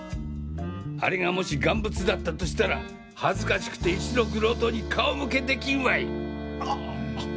あれがもし贋物だったとしたら恥ずかしくて一族郎党に顔向け出来んわい！！